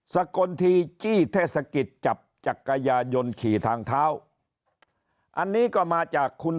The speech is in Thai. สกลทีจี้เทศกิจจับจักรยานยนต์ขี่ทางเท้าอันนี้ก็มาจากคุณ